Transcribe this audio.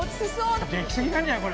でき過ぎなんじゃない、これ。